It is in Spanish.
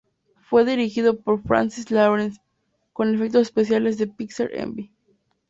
Fue dirigido por Francis Lawrence, con efectos especiales de Pixel Envy.